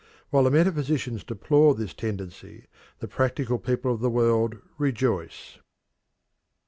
While the metaphysicians deplore this tendency, the practical people of the world rejoice.